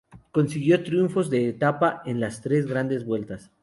Consiguió triunfos de etapa en las tres Grandes Vueltas.